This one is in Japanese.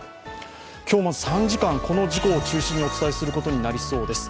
今日、まず３時間、この事故を中心にお話しすることになりそうです。